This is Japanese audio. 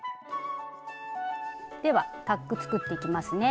ではタック作っていきますね。